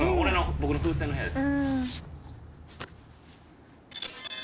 僕の風船の部屋です。